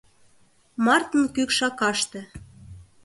Мартын кӱкшакаште.